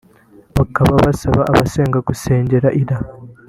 Bakaba basaba abasenga gusengera Ella